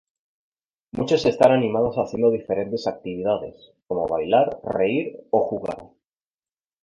Muchos están animados haciendo diferentes actividades, como bailar, reír o jugar.